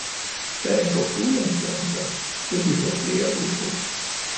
Hvad angår fugleinfluenza, vil vi få flere udbrud.